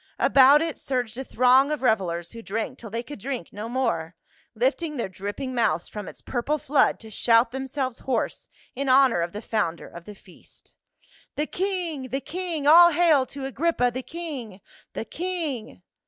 About it surged a throng of revelers who drank till they could drink no more, lifting their dripping mouths from its purple flood to shout themselver hoarse in honor of the founder of the feast. " The king ! The king ! All hail to Agrippa, the king — the king